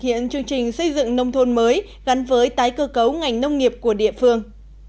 hiện chương trình xây dựng nông thôn mới gắn với tái cơ cấu ngành nông nghiệp của địa phương